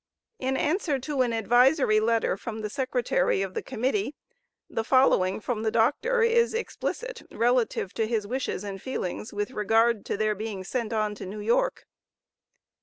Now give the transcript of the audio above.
In answer to an advisory letter from the secretary of the Committee the following from the Doctor is explicit, relative to his wishes and feelings with regard to their being sent on to New York.